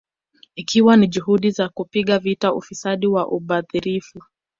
Ikiwa ni juhudi za kupiga vita ufisadi na ubadhirifu